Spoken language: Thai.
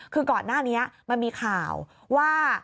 คือก่อนหน้านี้มันมีข่าวว่า